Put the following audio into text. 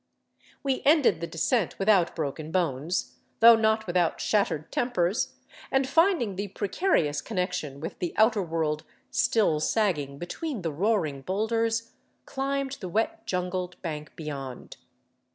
We ended the descent without broken bones, though not without shattered tempers, and finding the precarious connection with the outer world still sagging between the roaring boulders, climbed the wet jungled bank beyond.